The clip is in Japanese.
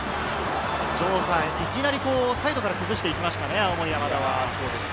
いきなりサイドから崩していきましたね、青森山田は。